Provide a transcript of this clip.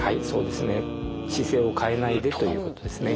姿勢を変えないでということですね。